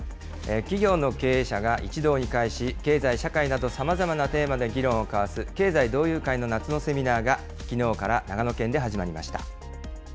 企業の経営者が一堂に会し、経済・社会など、さまざまなテーマで議論を交わす、経済同友会の夏のセミナーが、きのうから長野県で始まりました。